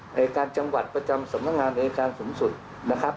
เนยการจังหวัดประจำสำนักงานเนยการสมสุทธิ์นะครับ